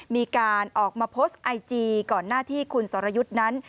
มีการออกมาโพสต์ไอจีก่อนหน้าที่คุณสรยุทธ์นั้น